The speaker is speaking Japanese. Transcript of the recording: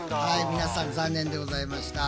皆さん残念でございました。